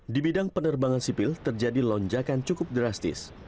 di bidang penerbangan sipil terjadi lonjakan cukup drastis